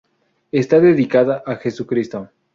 Está dedicada a Jesucristo.